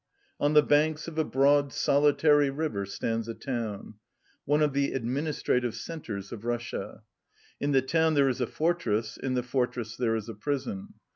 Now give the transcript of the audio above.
On the banks of a broad solitary river stands a town, one of the administrative centres of Russia; in the town there is a fortress, in the fortress there is a prison.